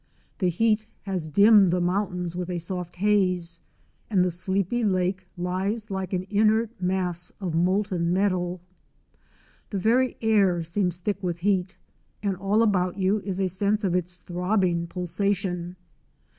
79 The heat has dimmed the mountains with a soft haze, and the sleepy lake lies like an inert mass of molten metal. The very air seems thick with heat, and all about you is a sense of its throbbing pulsation.